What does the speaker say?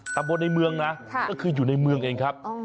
ตำบลในเมืองนะก็คืออยู่ในเมืองเองครับ